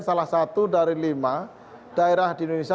salah satu dari lima daerah di indonesia